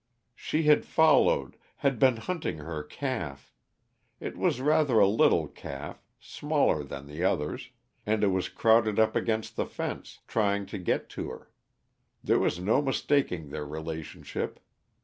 "She had followed had been hunting her calf; it was rather a little calf, smaller than the others. And it was crowded up against the fence, trying to get to her. There was no mistaking their relationship.